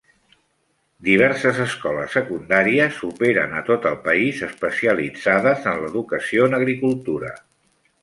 Diverses escoles secundàries operen a tot el país especialitzades en l'educació en agricultura.